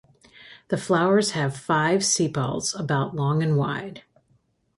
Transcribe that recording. The flowers have five sepals about long and wide.